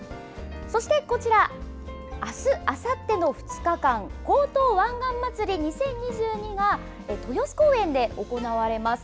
そして明日、あさっての２日間江東湾岸まつり２０２２が豊洲公園で行われます。